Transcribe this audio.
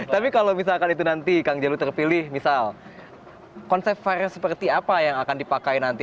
tapi kalau misalkan itu nanti kang jalu terpilih misal konsep var seperti apa yang akan dipakai nanti